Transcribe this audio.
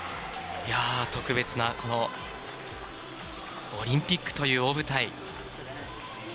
特別なオリンピックという舞台。